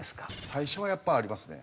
最初はやっぱありますね。